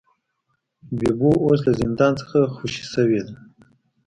بیپو اوس له زندان څخه خوشې شوی دی.